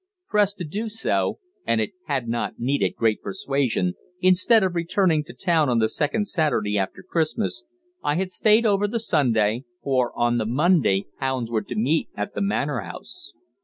Pressed to do so and it had not needed great persuasion instead of returning to town on the second Saturday after Christmas, I had stayed over the Sunday, for on the Monday hounds were to meet at the Manor House.